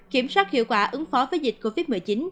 kiểm soát hiệu quả ứng phó với dịch covid một mươi chín